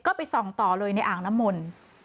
ก็ไปส่องต่อเลยในอ่างน้ำมนต์